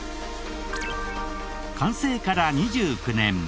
完成から２９年。